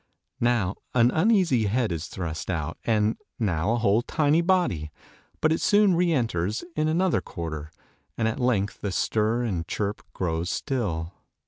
Now, an uneasy head is thrust out, and now a whole tiny body; but it soon re enters in another quarter, and at length the stir and chirp grows still.